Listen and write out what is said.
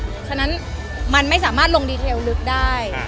เพราะฉะนั้นมันไม่สามารถลงดีเทลลึกได้